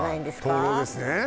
灯籠ですね。